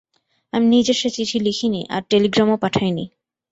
আমি নিজে সে চিঠি লিখিনি, আর টেলিগ্রামও পাঠাইনি।